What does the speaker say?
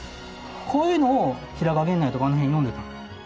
こういうのを平賀源内とかあの辺読んでた。